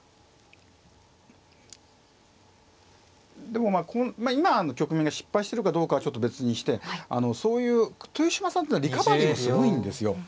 でもまあ今の局面が失敗してるかどうかはちょっと別にしてそういう豊島さんってのはリカバリーもすごいんですよ。